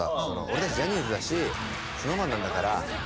「俺達ジャニーズだしＳｎｏｗＭａｎなんだから」